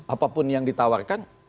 apapun yang ditawarkan